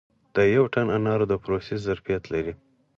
د یو ټن انارو د پروسس ظرفیت لري